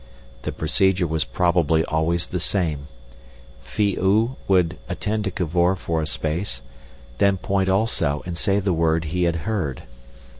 The procedure was probably always the same. Phi oo would attend to Cavor for a space, then point also and say the word he had heard.